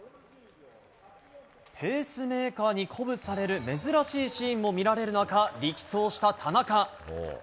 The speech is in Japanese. ペースメーカーに鼓舞される珍しいシーンも見られる中、力走した田中。